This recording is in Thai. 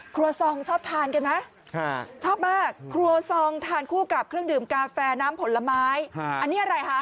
องชอบทานกันไหมชอบมากครัวซองทานคู่กับเครื่องดื่มกาแฟน้ำผลไม้อันนี้อะไรคะ